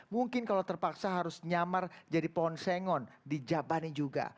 mungkin kalau terpaksa harus nyamar jadi pohon sengon dijabani juga